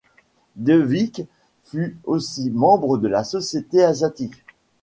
Devic fut aussi membre de la Société asiatique.